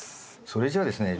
それじゃあですね